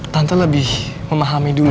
tante lebih memahami dulu